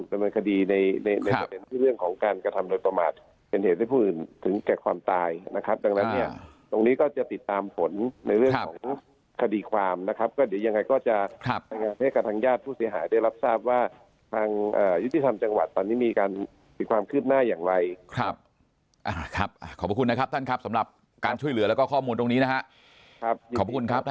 เป็นเรื่องของการกระทำโดยประมาทเป็นเหตุให้ผู้อื่นถึงแก่ความตายนะครับดังนั้นเนี่ยตรงนี้ก็จะติดตามผลในเรื่องของคดีความนะครับก็เดี๋ยวยังไงก็จะเทศกระทางญาติผู้เสียหายได้รับทราบว่าทางยุติธรรมจังหวัดตอนนี้มีการติดความคืบหน้าอย่างไวขอบคุณนะครับท่านครับสำหรับการช่วยเหลือแล้วก็ข้อมูลต